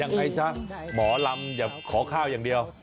ยังไงซะหมอลำอย่าขอข้าวอย่างเดียว